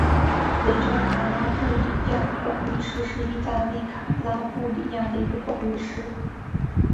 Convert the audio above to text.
雷焦卡拉布里亚广域市是意大利卡拉布里亚的一个广域市。